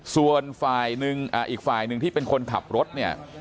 ส่วนฝ่ายหนึ่งอีกฝ่ายหนึ่งที่เป็นคนขับรถเนี่ย